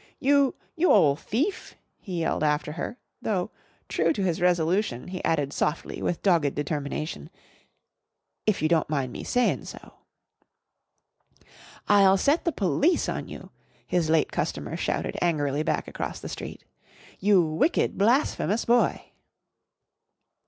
"You you ole thief!" he yelled after her, though, true to his Resolution, he added softly with dogged determination, "if you don't mind me sayin' so." "I'll set the police on you," his late customer shouted angrily back across the street. "You wicked, blasphemous boy!"